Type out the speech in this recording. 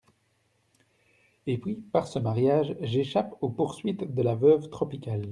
Et puis, par ce mariage, j’échappe aux poursuites de la veuve Tropical.